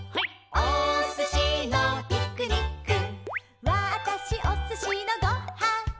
「おすしのピクニック」「わたしおすしのご・は・ん」